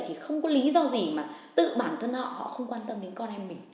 thì không có lý do gì mà tự bản thân họ họ không quan tâm đến con em mình